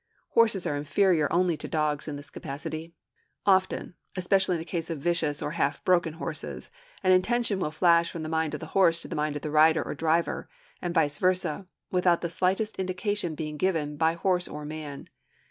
Horses are inferior only to dogs in this capacity. Often, especially in the case of vicious or half broken horses, an intention will flash from the mind of the horse to the mind of the rider or driver, and vice versa, without the slightest indication being given by horse or man.